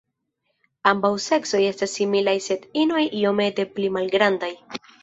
Ambaŭ seksoj esta similaj sed inoj iomete pli malgrandaj.